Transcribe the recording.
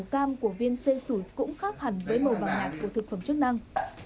màu cam của viên xê sủi cũng khác hẳn với màu vàng mạng của thực phẩm chức năng